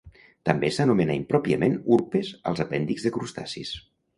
També s'anomena impròpiament urpes als apèndixs de crustacis.